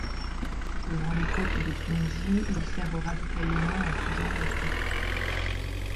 Devant les côtes de Tunisie, il sert au ravitaillement en tout genre des troupes.